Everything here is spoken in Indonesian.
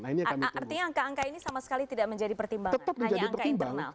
artinya angka angka ini sama sekali tidak menjadi pertimbangan hanya angka internal